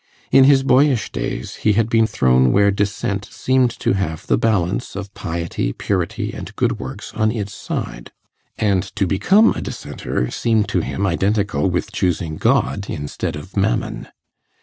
In his boyish days he had been thrown where Dissent seemed to have the balance of piety, purity, and good works on its side, and to become a Dissenter seemed to him identical with choosing God instead of mammon.